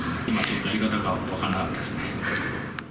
やり方が分からなかったです。